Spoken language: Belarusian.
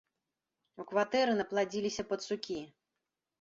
У кватэры напладзіліся пацукі.